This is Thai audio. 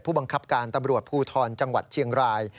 บังคับการตำรวจภูทรจังหวัดเชียงราย